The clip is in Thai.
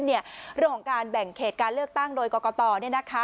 เรื่องของการแบ่งเขตการเลือกตั้งโดยกรกต